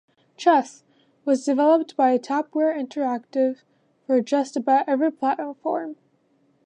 Chess", was developed by TopWare Interactive for "just about every platform".